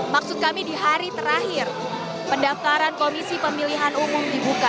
maksud kami di hari terakhir pendaftaran komisi pemilihan umum dibuka